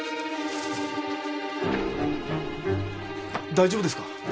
大丈夫ですか？